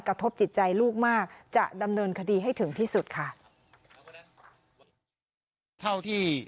กระทบจิตใจลูกมากจะดำเนินคดีให้ถึงที่สุดค่ะ